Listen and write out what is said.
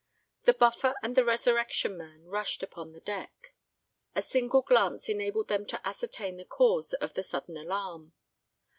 The Buffer and the Resurrection Man rushed upon the deck. A single glance enabled them to ascertain the cause of the sudden alarm.